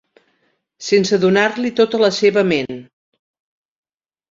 Sense donar-li tota la seva ment.